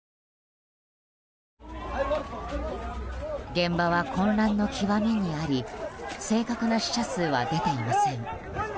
現場は混乱の極みにあり正確な死者数は出ていません。